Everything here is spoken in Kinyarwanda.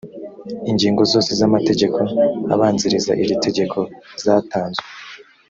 ingingo zose z’amategeko abanziriza iri tegeko zatanzwe